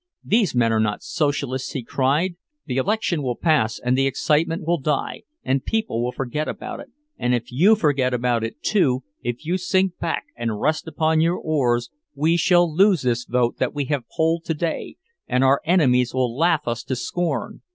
"These men are not Socialists!" he cried. "This election will pass, and the excitement will die, and people will forget about it; and if you forget about it, too, if you sink back and rest upon your oars, we shall lose this vote that we have polled to day, and our enemies will laugh us to scorn!